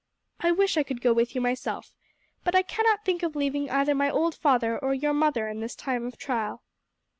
I wish I could go with you myself, but I cannot think of leaving either my old father or your mother in this time of trial."